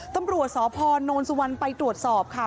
ตำรวจสพนสุวรรณไปตรวจสอบค่ะ